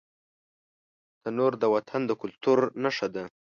تنور د وطن د کلتور نښه ده